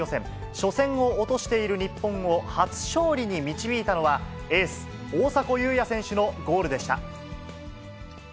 初戦を落としている日本を初勝利に導いたのは、エース、大迫勇也選手のゴールでした。